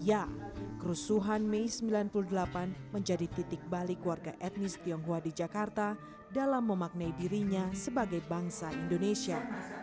ya kerusuhan mei seribu sembilan ratus sembilan puluh delapan menjadi titik balik warga etnis tionghoa di jakarta dalam memaknai dirinya sebagai bangsa indonesia